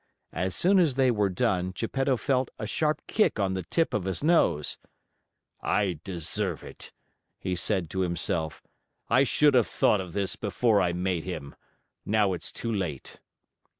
As soon as they were done, Geppetto felt a sharp kick on the tip of his nose. "I deserve it!" he said to himself. "I should have thought of this before I made him. Now it's too late!"